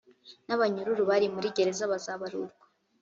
n’ abanyururu bari muri gereza bazabarurwa